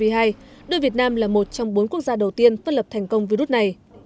đối với việt nam là một trong bốn quốc gia đầu tiên phân lập thành công virus này